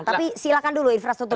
tapi silakan dulu infrastruktur